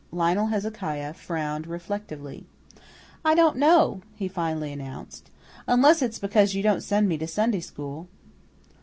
Lionel Hezekiah frowned reflectively. "I don't know," he finally announced, "unless it's because you don't send me to Sunday school."